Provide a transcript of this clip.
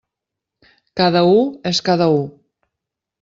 Cada u és cada u.